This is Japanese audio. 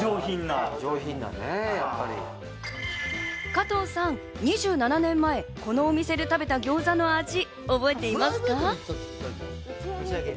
加藤さん、２７年前、このお店で食べたギョーザの味、覚えていますか？